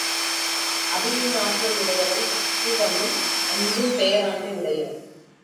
அபிமன் ஆற்றல் உடையவன் கூற்றுவனும் அஞ்சும் பேராண்மை உடையவன்.